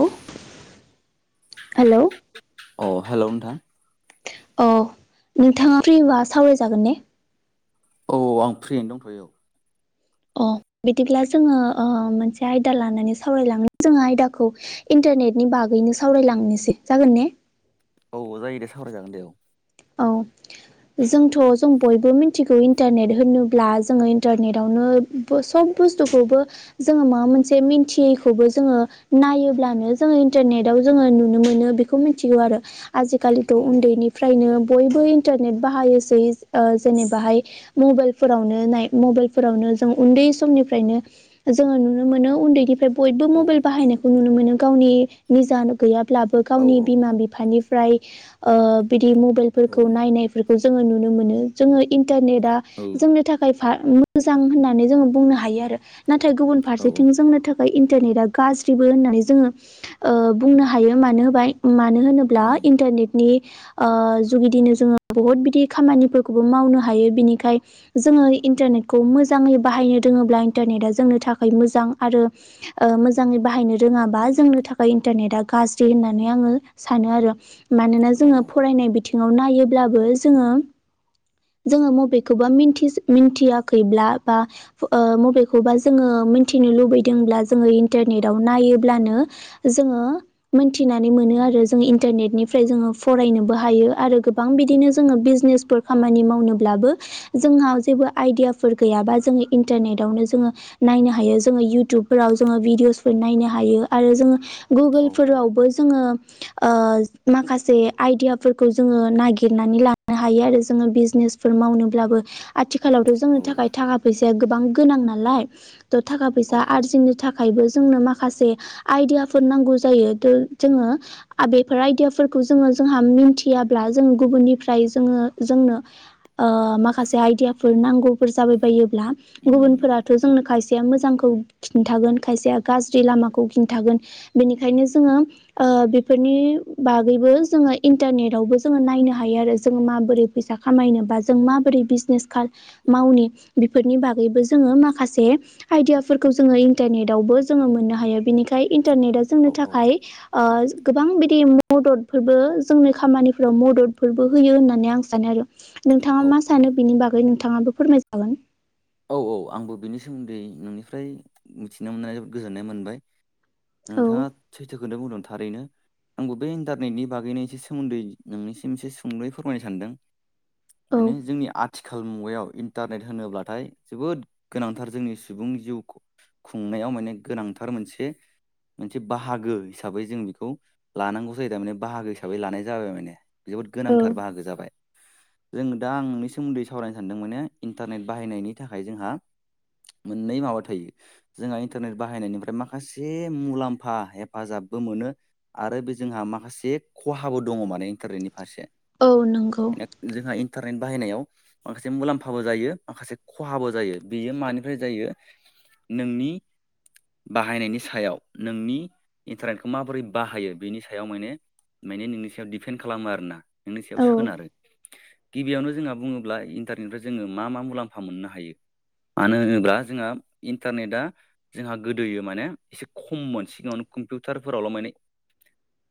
औ हेलौ अह हेलौ नोंथां। अह नोंथाङा फ्रिबा सावरायजागोन ने? औ आं फ्रियैनो दंथ'यो औ। अह बिदिब्ला जोङो ओ मोनसे आयदा लानानै सावरायलाङो जोङो आयदाखौ इनटा इन्टारनेटनि बागैनो सावरायलांनिसै, जागोन ने? औ जायो दे सावरायजागोन दे औ। औ। जोंथ' जों बयबो मिन्थिगौ इन्टारनेट होनोब्ला जोङो इन्टारनेटावनो बो सब बुस्थुखौबो जोङो माबा मोनसे मिन्थियैखौबो जोङो नायोब्लानो जोङो इन्टारनेट आव जोङो नुनो मोनो बेखौ मोनथिगौ आरो आजिकालिथ' औ उन्दैनिफ्रायनो बयबो इन्टारनेट बाहायोसै जेनेबाहाय मबेलफोरावनो नाय मबेलफोरावनो जों उन्दै समनिफ्रायनो जोङो नुनो मोनो उन्दैनिफ्राय बयबो औ मबेल बाहायनायखौ नुनो मोनो गाव गावनि निजानो गैयाब्लाबो औ गावनि औ बिमा बिफानिफ्राय ओ बिदि मबेल फोरखौ औ नायनायफोरखौ जोङो नुनो मोनो। जोङो इन्टारनेटा औ जोंनि थाखाय फा मोजां होननानै जोङो बुंनो हायो आरो नाथाय गुबुन औ फारसेथिं जोंनो थाखाय इन्टारनेटा गाज्रिबो होननानै जोङो ओ बुंनो हायो मोनोबाय मानो होनोब्ला उम इन्टारनेटनि ओ जुगिदिनो जोङो बहुत बिदि खामानिफोरखौबो मावनो हायो बिनिखाय जोङो इन्टारनेटखौ मोज मोजाङै बाहायनो रोङोब्ला इन्टारनेट जोंनो थाखाय मोजां आरो मोजाङै बाहायनो रोङाबा जोंनि थाखाय इन्टारनेटा गाज्रि होननानै आङो सानो आरो मानोना औ जोङो फरायनाय बि थिंङाव नायोब्लाबो जोङो जोङो मबेखौबा मोनथि मोनथियाखैब्ला बा मबेखौबा जोङो मोनथिनो लुबैदोंब्ला जोङो इन्टारनेट आव नायोब्लानो जोङो मोनथिनानै मोनो उम आरो जों इन्टारनेटनिफ्राय जोङो फरायनोबो हायो। आरो गोबां बिदिनो जोङो बिजनेसफोर औ खामानि मावनोब्लाबो जोंहा जेबो आइदियाफोर गैयाबा जोङो इन्टारनेटावनो जोङो नायनो हायो जोङो इउ टुबफोराव जोङो भिदिअसफोर नायनो हायो आरो जोङो औ गुगोलफोरावबो जोङो ओ माखासे आइदियाफोर खौ जोंङो नागिरनानै लानो हायो आरो जोङो बिजनेस फोर मावनोब्लाबो आथिखाल आथिखालावथ' औ जोंनि थाखाय थाखा फैसाया गोबां गोनां नालाय त' थाखा औ फैसा औ आरजिनो थाखायबो जोंनो माखासे आइदियाफोर नांगौ जायो त जोङो बेफोर आइदियाफोरखौ जोंङो जोंहा मिनथि मोनथियाब्ला जों गुबुननिफ्राय जोङो जोंनो माखासे आइदियाफोर नांगौफोर जाबाय बायो ब्ला उम गुबुनफोराथ' जोंनो खायसे खायसेया मोजांखौ खिन्थागोन खायसेया गाज्रि लामाखौ खिन्थागोन बेनिखायनो जोङो ओ बेफोरनि बागैबो जोङो इन्टारनेट आवबो जोङो नायनो हायो आरो जों माबोरै फैसा खामायनो बा जों माबोरै बिजनेस मावनि बेफोरनि बागैबो जोङो माखासे आइदियाफोरखौ जोङो इन्टारनेटावबो जोङो मोननो हायो बिनिखायनो इन्टारनेटआ जोंनि औ थाखाय ओ गोबां बिदि मददखोबो जोंनि खामानिफोराव मददफोरबो होयो होननानै आं सानो आरो औ नोंथाङा मा सानो बिनि बागै नोंथाङाबो फोरमायजागोन। औ औ आंबो बेनि सोमोन्दै नोंनिफ्राय मिथिनो मोननानै गोजोननाय मोनबाय। औ नोंथाङा सैथो खोनो बुंदों थारैनो आंबो बे इन्टारनेटनि बागैनो इसे सोमोन्दै नोंनिसिम एसे सुंदयै फोरमायनो सानदों। औ माने जोंनि आथिखाल मुगायाव इन्टारनेट होनोब्लाथाय जोबोद गोनांथार जोंनि सुबुं जिउ खुं खुंनायाव माने गोनांथार मोनसे मोनसे बाहागो हिसाबै जों बेखौ लानांगौ जायो थारमाने बाहागो हिसाबै लानाय जाबाय माने जोबोद गोनांथार औ बाहागो जाबाय। जों दा आंनि सोमोन्दै सावरायनो सानदों माने इन्टारनेट बाहायनायनि थाखाय जोंहा मोननै माबा थायो जोंहा इन्टारनेट बाहायनायनिफ्राय माखासे मुलाम्फा हेफाजाब बो मोनो आरो बे जोंहा माखासे खहाबो दङ माने इन्टारनेटनि फारसे औ नंगौ जोंहा इन्टारनेट बाहायनायाव माखासे मुलाम्फाबो जायो माखासे खहाबो जायो बेयो मानिफ्राय जायो नोंनि बाहायनायनि सायाव नोंनि इन्टारनेटखौ माबोरै बाहायो बेनि सायाव माने माने नोंनि सायाव दिफेन खालामो आरो ना। नोंनि सायाव औ सोनारो गिबियावनो जोंहा बुङोब्ला इन्टारनेटनिफ्राय जोङो मा मा मुलाम्फा मोननो हायो। मानो होनोब्ला जोंहा इन्टारनेटआ जोंहा गोदोयो माने एसे खममोन सिगाङाव कम्पिउटारफोरावल' माने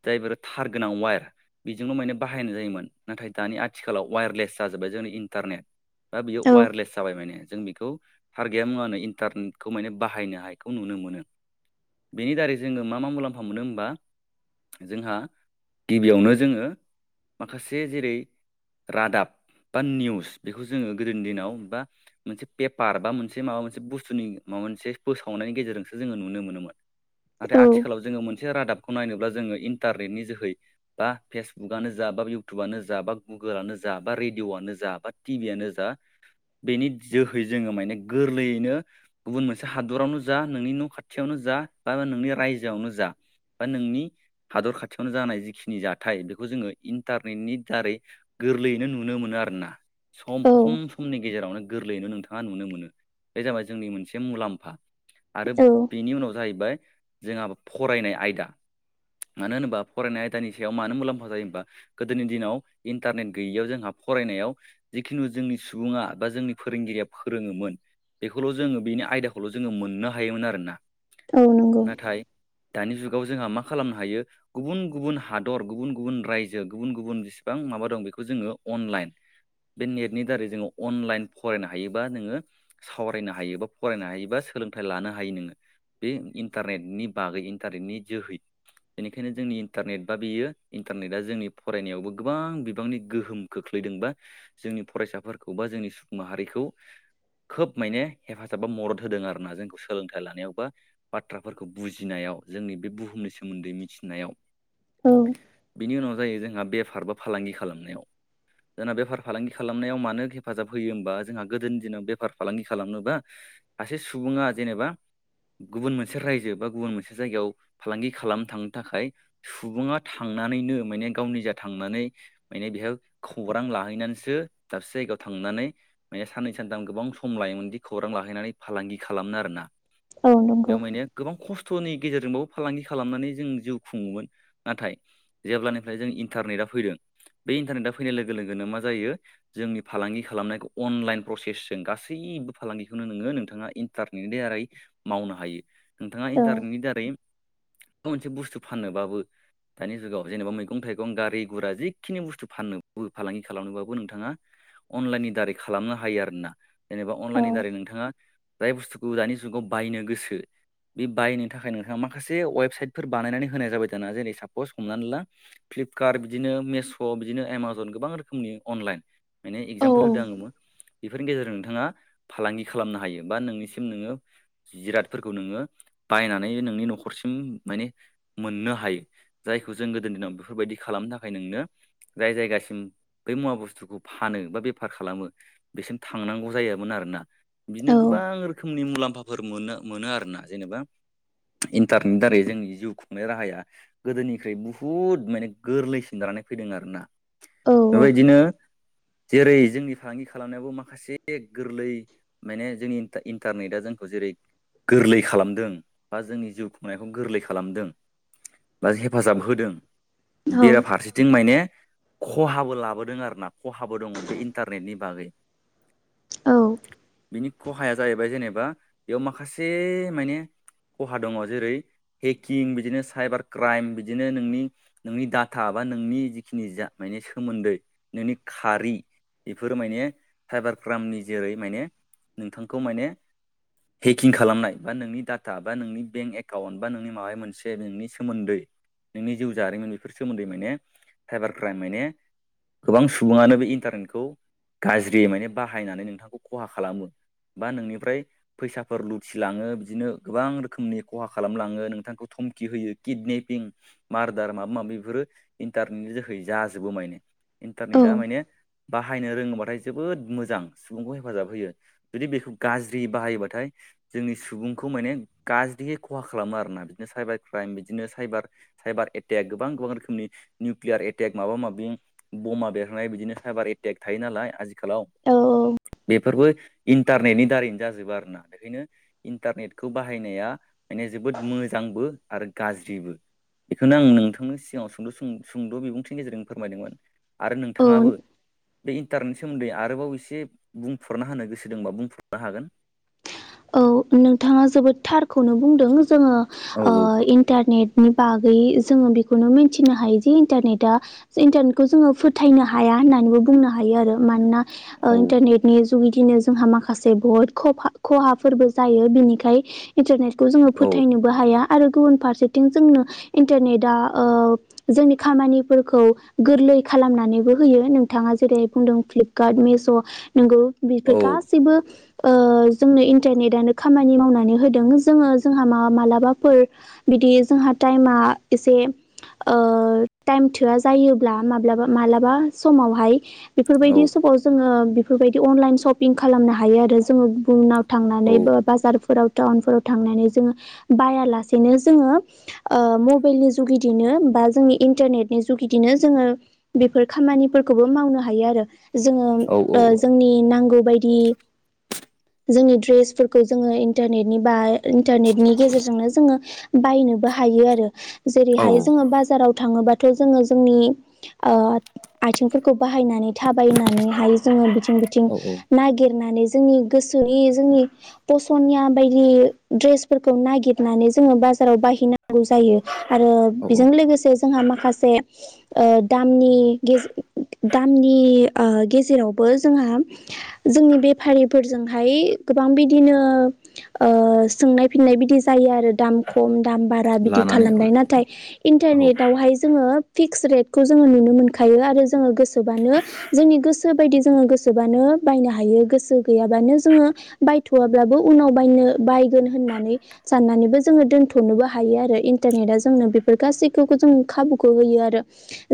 जायफोर थार गोनां वायार बेजोंल' माने बाहायनाय जायोमोन नाथाय दानि आथिखालाव वायारलेस जाजोब्बाय जोंनि इन्टारनेट दा बेयो औ वायारलेस जाबाय माने जों बेखौ टारगे मुङानो इन्टारनेटखौ माने बाहायनायखौ नुनो मोनो। बेनि दारै जोङो मा मा मुलाम्फा मोनो होमबा जोंहा गिबियावनो जोङो माखासे जेरै रादाब बा निउस बेखौ जोङो गोदोनि दिनाव बा मोनसे पेपार बा मोनसे माबा मोनसे बुस्थुनि माबा मोनसे फोसावनायनि गेजेरजोंसो जोङो नुनो मोनोमोन। नाथाय औ आथिखालाव जोङो मोनसे रादाब नायनोब्ला जोङो इन्टारनेटनि जोहै बा फेसबुकआनो जा बा इउटुबनो जा बा गुगोलनो जा बा रेडिअ'आनो जा बा टिभि आनो जा। बेनि जोहै जोङो माने गोरलैयैनो गुबुन मोनसे हादरावनो जा नोंनि न' खाथियावनो जा। जा बा नोंनि रायजोआवनो जा। बा नोंनि हादर खाथियावनो जानाय जिखिनि जाथाय बेखौ जोङो इन्टारनेटनि दारै गोरलैयैनो नुनो मोनो आरोना सम खम औ समनि। गेजेरावनो गोरलैयैनो नोंथाङा नुनो मोनो बे जाबाय जोंनि मोनसे मुलाम्फा। आरो औ बेनि उनाव जाहैबाय जोंहा फरायनाय आयदा। मानो होनोबा फरायनाय आयदानि सायाव मानो मुलाम्फा जायोबा गोदोनि दिनाव इन्टारनेट गैयैयाव जोंहा फरायनायाव जिखिुनु जोंनि सुबुङा बा जोंनि फोरोंगिरिया फोरोङोमोन बेखौल' जोङो बेनि आयदाखौल' जोङो मोननो हायोमोन आरोना औ नंगौ नाथाय दानि जुग गाव जोंहा मा खालामनो हायो गुबुन गुबुन हादर गुबुन गुबुन रायजो गुबुन गुबुन बिसेबां माबा दं बे बेखौ जोङो अनलाइन बे नेटनि दारै जोङो अनलाइन फरायनो हायोबा नोङो सावरायनो हायो बा फरायनो हायोबा सोलोंथाइ लानो हायो नोङो बे इन्टारनेटनि बागै इन्टारनेटनि जोहै बेनिखायनो जोंनि इन्टारनेट बा बेयो इन्टारनेटआ जोंनि फरायनायावबो गोबां बिबांनि गोहोम खोख्लैयो। फैदोंबा जोंनि फरायसाफोरखौ बा जोंनि सुबुं माहारिखौ खोब माने हेफाजाब बा मदद होदों आरोना जोंखौ सोलोंथाइ लानायाव बा बाथ्राफोरखौ बुजिनायाव जोंनि बे बुहुमनि सोमोन्दै मिथिनायाव औ बिनि उनाव जायो जों जोंहा बेफार बा फालांगि खालामनायाव जोंना बेफार फालांगि खालामनायाव मानो हेफाजाब होयो हबा जोंहा गोदोनि दिनाव बेफार फालांगि खालामनोबा सासे सुबुङा जेनेबा गुबुन मोनसे रायजो बा गुबुन मोनसे जायगायाव फालांगि खालामनो थांनो थाखाय सुबुङा थाङ नानैनो माने गावनिजा‌ थांनानै माने बिहा‌ खौरां लाहैनानैसो दाबसे‌ जायगायाव थांनानै माने साननै सानथाम गोबां सम लायोमोनदि खौरां लाहैनानै फालांगि खालामनो आरोना औ बेयाव नंगौ माने गोबां खस्थ' खस्थ'नि गेजेरजोंबाबो फालांगि खालामनानै जों जिउ खुङोमोन नाथाय जेब्लानिफ्राय जों इन्टारनेट आ फैदों बे इन्टरनेट‌आ‌ फैनाय लोगो लोगोनो मा‌ जायो जोंनि फालांगि खालामनायखौ अनलाइन प्रसेसजों गासैबो फालांगिखौनो नोङो नोंथाङा इन्टारनेट दारै मावनो हायो नोंथाङा औ इन्टारनेटनि दारै [inaudible] माबा मोनसे बुस्थु फाननोबाबो दानि जुगाव जेनेबा मैगं थाइगं गारि गुरा जिखिनि बुस्थु फाननो फालांगि खालामनोबाबो नोंथाङा अनलाइननि दारै खालामनो हायो आरोना जेनेबा औ अनलाइननि दारै नोंथाङा जाय बुस्थुखौ दानि जुगाव बायनो गोसो बे बायनो थाखाय नोंथाङा माखासे वेबसाइटफोर बानायनानै होनाय जाबाय दाना जेरै सापस हमनानै ला फ्लिपकार्ट बिदिनो मेश' बिदिनो एमाजन गोबां रोखोमनि अनलाइन माने औ एगजामपोल औ होदोंआङो बेफोरनि गेजेरजों नोंथाङा फालांगि खालामनो हायो बा नोंनिसिम नोङो जिरादफोरखौ नोङो बायनानै नोंनि न'खरसिम माने मोननो हायो। जायखौ जों गोदोनि दिनाव बेफोरबायदि खालामनो थाखाय नोंनो जाय जायगासिम बै मुवा बुस्थुखौ फानो बा बेफार खालामो बेसिम थांनांगौ जायामोन आरोना बिदिनो औ गोबां रोखोमनि मुलाम्फाफोर मोनो मोनो आरोना जेनेबा इन्टारनेटनि दारै जोंनि जिउ खुंनाय राहाया गोदोनिख्रुइ बुहुत माने गोरलैसिन द नायफैदों आरोना‌ औ बेबायदिनो जेरै जोंनि फालांगि खालामनायावो माखासे गोरलै माने जोंनि इन्टारनेटआ जोंखौ जेरै गोरलै खालामदों बा जोंनि जिउ खुंनायखौ गोरलै खालामदों बा हेफाजाब होदों बेराफारसेथिं माने खहाबो लाबोदों आरोना खहाबो दङ बे इन्टारनेटनि बागै बिनि खहाया जाहैबाय जेनेबा बेयाव माखासे माने खहा दङ जेरै हेकिं बिदिनो साइबार क्राइम बिदिनो नोंनि नोंनि डाटा बा नोंनि जिखिनि जा बेनि सोमोन्दै नोंनि खारि बेफोरो माने साइबार क्राइमनि जेरै माने नोंथांखौ माने हेकिं खालामनाय बा नोंनि डाटा बा नोंनि बेंक एकाउन्ट बा नोंनि माबा मोनसे बेंकनि सोमोन्दै नोंनि जिउ जारिमिन बेफोर सोमोन्दै माने साइबार क्राइम माने गोबां सुबुङानो बे इन्टारनेटखौ गाज्रि माने बाहायनानै नोंथांखौ खहा खालामो। बा नोंनिफ्राय फैसाफोर लुथिलाङो बिदिनो गोबां रोखोमनि खहा खालामलाङो नोंथांखौ हुमखि होयो किडनेपिं मार्दार माबा माबि बेफोरो इन्टारनेटनि जोै जाजोबो माने दा नै दा माने बाहायनो रोङोबाथाय जोबोद मोजां सुबुंखौ हेफाजाब होयो जुदि बेखौ गाज्रि बाहायोबाथाय जोंनि सुबुंखौ सुबुंखौ माने गाज्रियै खहा खालामो आरोना बिदिनो सायबार क्राइम बिदिनोे सायबार एटेक गोबां गोबां गोबां रोखोमनि निउकलियार एटेक माबा माबि बमा बेरहनाय बिदिनो साइबार एटेक थायो नालाय आजिखालाव औ बे बेफोरबो इन्टारनेटनि दारैनो जाजोबो आरोना बेखायनो इन्टारनेटखौ बाहायनाया माने जोबोद मोजांबो आरो गाज्रिबो बेखौनो आं नोंथांनि सिगाङाव सुंद' सुंद' बिबुंथिनि गेजेरजों फोरमायदोंमोन आरो औ नोंथाङाबो बे इन्टारनेनि सोमोन्दै आरोबाव एसे बुंफोरना होनो गोसो दंबा बुंफोरनो हागोन औ नोंथाङा जोबोद थारखौनो बुंदों जोङो औ ओ इन्टारनेट नि बागै जोङो बेखौनो मिथिनो हायो जे इन्टारनेटा इन्टारनेटखौ जोङो फोथायनो हाया होननानैबो बुंनो हायो आरो मानोना ओ औ इन्टारनेटनि जुगैदिनो जोंहा माखासे बहुद खफा खहाफोरबो जायो बिनिखाय इन्टारनेटखौ जोङो औ फोथायनोबो हाया आरो गुबुन फारसेथिं जोंनो इन्टारनेटआ जोंनि खामानिफोरखौ गोरलै लै खालामनानैबो होयो नोंथाङा जेरै बुंदों फ्लिपकार्ट मिस' नंगौ औ बेफोर गासैबो ओ जोंनो इन्टारनेटानो खामानि मावनानै होदों जोङो जोंहा मा मालाबाफोर बिदि जोंहा टाइमा एसे ओ टायेम थोआ जायोब्ला माब्लाबा मालाबा समावहाय औ बेफोरबायदि समाव जोङो बेफोरबायदि अनलाइन सपिं खालामनो हायो आरो जोङो बुंना थांनानैबो बाजार फोराव टाउन फोराव थांनानै जोङो बायालासेनो जोङो ओ मबाइलनि जुगिदिनो बा जोंनि इन्टारनेटनि जुगिदिनो जोङो बेफोर खामानिफोरखौबो मावनो हायो आरो जोङो औ ओ जोंनि नांगौ बायदि जोंनि ड्रेसफोरखौ जोङो इन्टारनेटनि बा इन्टारनेटनि गेजेरजोंनो जोङो बायनोबो हा हायो आरो औ जेरैहाय जोङो बाजाराव थाङोबा थ' जोङो जोंनि ओ आथिंफोरखौ बाहायनानै थाबाय बायनानैहाय जोङो बिथिं बिथिं औ नागिरनानै जोंनि गोसो जुदि जोंनि फसनिया बायदि द्रेसफोरखौ नागिरनानै जोङो बासिनानै बाजाराव बाहैनांगौ जायो आरो औ औ बेजों लोगोसे जोंहा माखासे ओ दामनि गेजेर दामनि ओ गेजेरावबो जोंहा जोंनि बेफारिफोरजों हाय गोबां बिदिनो ओ सोंनाय फिन्नाय बिदि जायो आरो दाम खम दाम बारा बिदि लानानै औ खालामनाय नाथाय औ इन्टारनेटावहाय जोङो फिक्स रेटखौ जोङो नुनो मोनखायो आरो जोङो गोसोबानो जोंनि गोसो बायदि जोङो गोसोबानो बायनो हायो गोसो गैयाबानो जोङो बायथ'वब्लाबो उनाव बायनो बायगोन होननानै साननानैबो जोङो दोनथ'नोबो हायो हायो आरो इन्टारनेटा जोंनो बेफोर गासैखौबो जों खाबुखौ होयो आरो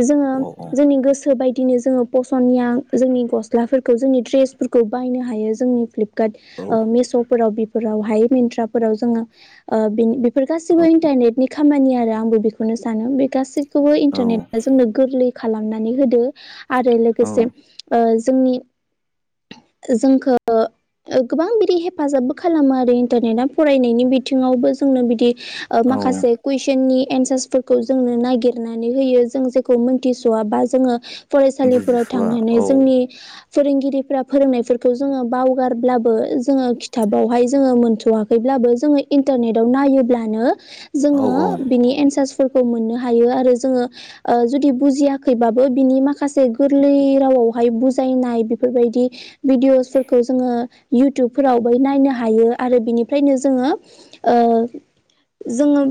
जोङो औ जोंनि गोसो गोसो बायदिनो जोङो फसनिया जोंनि गस्लाफोरखौ जोंनि ड्रेसफोरखौ बायनो हायो जोंनि फ्लिपकार्ट ओ मिश'फोराव बेफोराव हाय मिन्ट्राफोराव जोङो ओ बिनि बेफोर गासिबो इन्टारनेटनि खामानि आरो आंबो बेखौनो सानो बे गासैखौबो औ इन्टारनेटआ जोंनो गोरलै खालामनानै होदों आरो लोगोसे औ ओ जोंनि जोंखौ गोबां बिदि हेफाजाबबो खालामो आरो इन्टारनेटा फरायनायनि बिथिङावबो जोंनो बिदि ओ औ माखासे कुइसननि एन्सारसफोरखौ जोंनो नागिरनानै होयो जों जेखौ मोनथिस'वाबा जोङो फरायसालिफोराव बुजिस'वा थांनानै औ जोंनि फोरोंगिरिफोरा फोरोंनायफोरखौ जोङो बाव गारब्लाबो जोङो खिथाबावहाय जोङो मोनथ'वाखैब्लाबो जोङो इन्टारनेटआव नायोब्लानो औ जोङो बिनि एनसारस फोरखौ मोननो हायो आरो जोङो ओ जुदि बुजियाखैबाबो बिनि माखासे गोरलै राव आवहाय बुजायनाय बेफोरबायदि बिडिअसफोरखौ जोङो इउटुबफोरावबो नायनो हायो आरो बिनिफ्रायनो जोङो ओ जोङो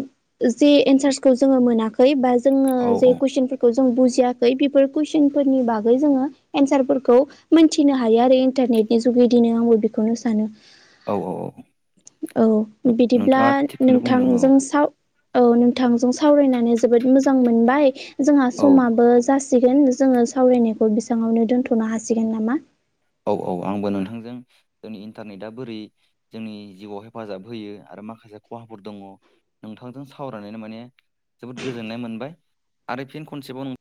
जे एन्सार्सखौ जोङो मोनाखै बा जोङो औ जे कुइसनफोरखौ जों बुजियाखै बेफोर कुईसनफोरनि बागै जोङो एनसारफोरखौ मोनथिनो हायो आरो इन्टरनेटनि [unintelligible] आंबो बेखौनो सानो। औ औ औ औ बिदिब्ला नोंथाङा थिगखौनो बुंदों औ नोंथांजों साव औ नोंथांजों सावरायनानै जोबोद मोजां मोनबाय जोंहा औ समाबो जा सिगोन जोङो सावरायनायखौ बेसाङावनो दोन्थ'नो हासिगोन नामा? औ औ आंबो नोंथांजों जोंनि इन्टारनेटआ बोरै जोंनि जिउआव हेफाजाब होयो आरो माखासे खहाफोर दङ नोंथांजों सावरायनानैनो माने जोबोद गोजोननाय मोनबाय। आरो फिन खनसेबाव नों